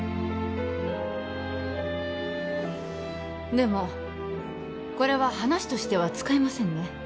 でもこれは話としては使えませんね